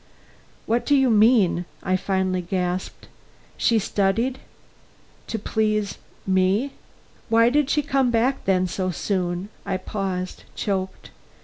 "What do you mean?" I finally gasped. "She studied to please me? Why did she come back, then, so soon " I paused, choked.